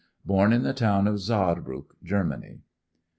Born in the town of Sarrbruk, Germany.